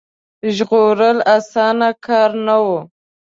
ژغورل اسانه کار نه وو.